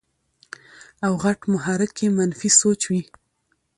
او غټ محرک ئې منفي سوچ وي -